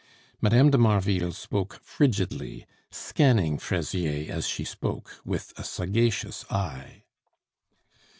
Mme. de Marville spoke frigidly, scanning Fraisier as she spoke with a sagacious eye.